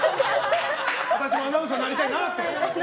私もアナウンサーになりたいなって。